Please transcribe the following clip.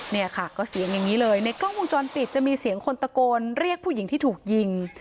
เนี่ยค่ะก็เสียงอย่างนี้เลยในกล้องวงจรปิดจะมีเสียงคนตะโกนเรียกผู้หญิงที่ถูกยิง